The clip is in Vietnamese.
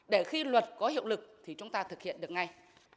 để khi luật có hiệu lực thì chúng ta thực hiện được ngay